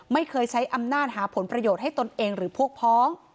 ไม่เคยใช้อำนาจหาผลประโยชน์ให้ตนเองหรือพวกพ้อง